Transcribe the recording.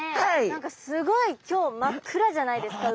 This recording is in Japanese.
何かすごい今日真っ暗じゃないですか？